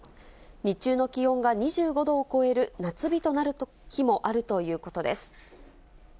日中の気温が２５度を超える夏日となる日もあるということです。